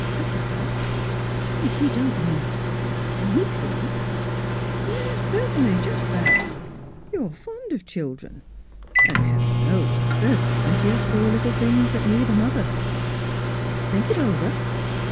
"" Adopt! — You don't mean — a — a baby? "" Yes, certainly; just that. You're fond of chil dren; and heaven knows there's plenty of poor little things that need a mother. Think it over."